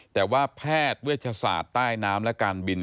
แต่ว่าแพทย์เวชศาสตร์ใต้น้ำและการบิน